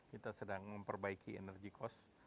kita sedang memperbaiki energy cost